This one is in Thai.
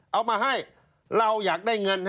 เอามาให้เราอยากได้เงิน